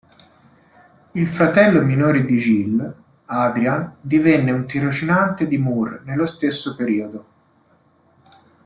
Il fratello minore di Giles, Adrian, divenne un tirocinante di Moore nello stesso periodo.